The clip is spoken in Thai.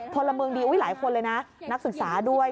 พลเมืองดีหลายคนเลยนะนักศึกษาด้วย